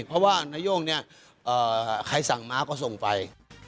เพราะว่านาย่งเนี่ยใครสั่งม้าก็ส่งไป